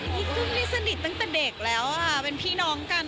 พี่กุ้งนี่สนิทตั้งแต่เด็กแล้วเป็นพี่น้องกัน